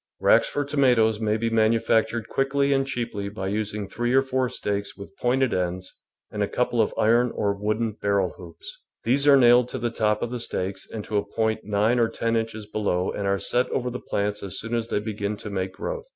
Racks for tomatoes may be manufac tured quickly and cheaply by using three or four stakes with pointed ends and a couple of iron or wooden barrel hoops. These are nailed to the top of the stakes and to a point nine or ten inches be low and are set over the plants as soon as they begin to make growth.